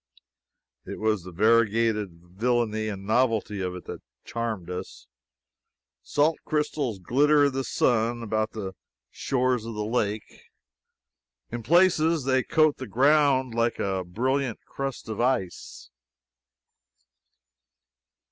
It was the variegated villainy and novelty of it that charmed us. Salt crystals glitter in the sun about the shores of the lake. In places they coat the ground like a brilliant crust of ice.